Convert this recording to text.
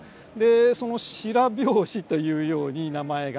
その白拍子というように名前が。